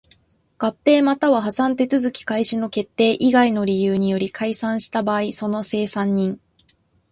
合併又は破産手続開始の決定以外の理由により解散した場合その清算人